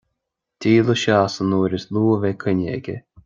Díolfaidh sé as an uair is lú a bheidh coinne aige